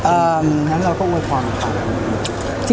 เอ่องั้นเราก็อวยความค่ะ